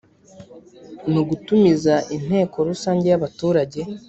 mu gutumiza inteko rusange yabaturage